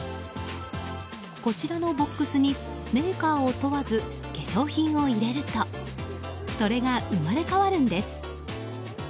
こちらのボックスにメーカーを問わず化粧品を入れるとそれが生まれ変わるんです。